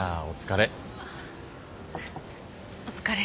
お疲れ。